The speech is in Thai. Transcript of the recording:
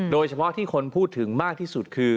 โดยเฉพาะที่คนพูดถึงมากที่สุดคือ